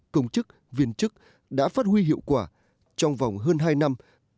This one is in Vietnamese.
công chức viên chức đã phát huy hiệu quả trong vòng hơn hai năm